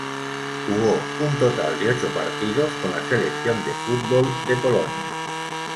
Jugó un total de ocho partidos con la selección de fútbol de Polonia.